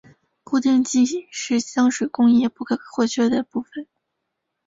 固定剂是香水工业不可或缺的部份。